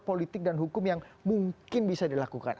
politik dan hukum yang mungkin bisa dilakukan